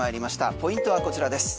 ポイントはこちらです。